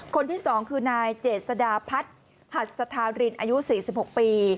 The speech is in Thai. คนที่๒คือนายเจษดาพัฒน์หัสธารินอายุ๔๖ปี